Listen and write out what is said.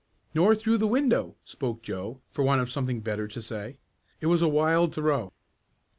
"Nor through the window," spoke Joe for want of something better to say. "It was a wild throw."